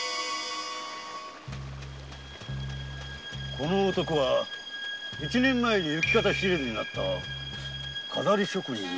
この男は一年前行方不明になった飾り職人の甚兵衛。